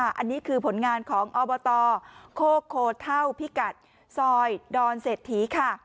อันนี้คือผลงานของอบตโคโคเท่าพิกัดซอยดอนเศรษฐีค่ะ